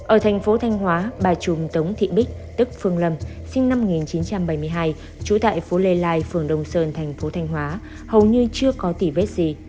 ở thành phố thanh hóa bà trùm tống thị bích tức phương lâm sinh năm một nghìn chín trăm bảy mươi hai trú tại phố lê lai phường đông sơn thành phố thanh hóa hầu như chưa có tỷ vết gì